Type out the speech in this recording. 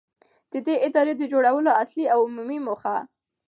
، د دې ادارې د جوړولو اصلي او عمومي موخه.